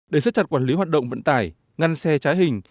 để xếp chặt quản lý hoạt động vận tải ngăn xe trái hình